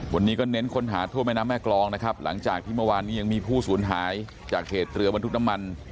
วันนี้ก็เน้นค้นหาทั่วแม่น้ำแม่กรองนะครับหลังจากที่เมื่อวานนี้ยังมีผู้สูญหายจากเหตุเรือบรรทุกน้ำมัน